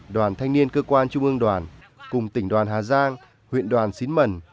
đoàn thanh niên cơ quan trung ương đoàn cùng tỉnh đoàn hà giang huyện đoàn xín mần